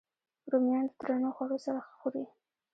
رومیان د درنو خوړو سره ښه خوري